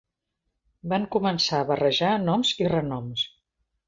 Van començar a barrejar noms i renoms.